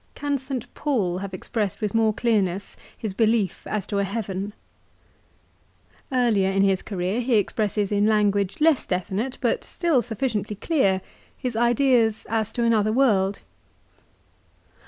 Can St. Paul have expressed with more clearness his belief as to a heaven ? Earlier in his" career he expresses in language, less definite, but still sufficiently clear, his ideas as to another world.